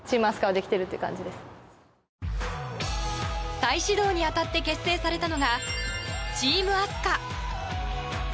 再始動に当たって結成されたのがチームあすか。